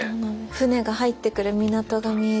船が入ってくる港が見えて。